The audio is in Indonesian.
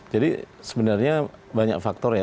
jadi sebenarnya banyak faktor ya